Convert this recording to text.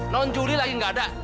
non juli lagi nggak ada